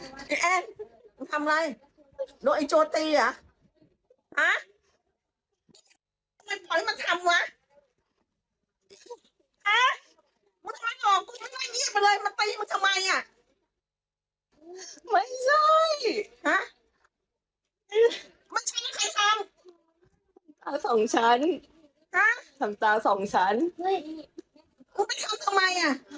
มันซ้ำเหรออะไรไอ้แอ๊กมีทำอะไรโดยไอ้โจ้ตีหรออ่า